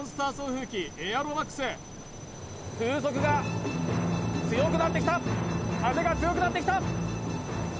ＭＡＸ風速が強くなってきた風が強くなってきた！